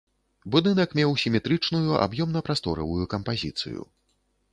Будынак меў сіметрычную аб'ёмна-прасторавую кампазіцыю.